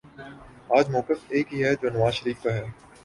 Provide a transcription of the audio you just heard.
آج مؤقف ایک ہی ہے جو نواز شریف کا ہے